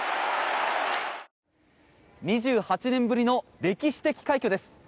２８年ぶりの歴史的快挙です。